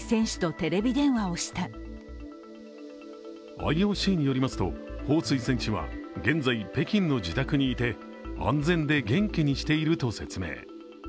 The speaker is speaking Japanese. ＩＯＣによりますと彭帥選手は現在、北京の自宅にいて安全で元気にしていると説明。